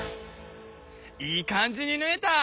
いい感じにぬえた！